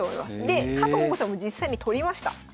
で加藤桃子さんも実際に取りました。